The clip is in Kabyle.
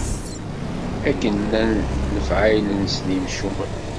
Akken llan lefɛayel-nsen yimcumen.